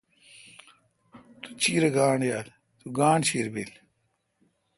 تو چیرہ گانٹھ یال۔۔تو گانٹھ چیر بیل۔